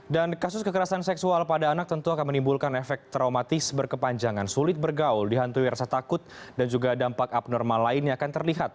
dan kasus kekerasan seksual pada anak tentu akan menimbulkan efek traumatis berkepanjangan sulit bergaul dihantui rasa takut dan juga dampak abnormal lainnya akan terlihat